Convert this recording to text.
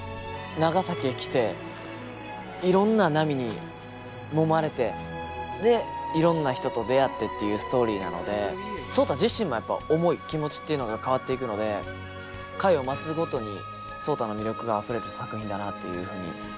長崎へ来ていろんな波にもまれてでいろんな人と出会ってっていうストーリーなので壮多自身もやっぱ思い気持ちっていうのが変わっていくので回を増すごとに壮多の魅力があふれる作品だなというふうに思います。